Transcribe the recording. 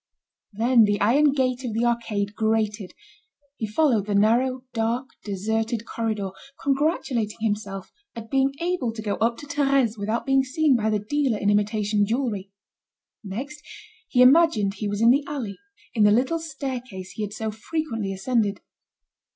Then the iron gate of the arcade grated, he followed the narrow, dark, deserted corridor, congratulating himself at being able to go up to Thérèse without being seen by the dealer in imitation jewelry. Next he imagined he was in the alley, in the little staircase he had so frequently ascended.